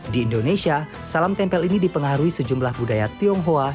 di indonesia salam tempel ini dipengaruhi sejumlah budaya tionghoa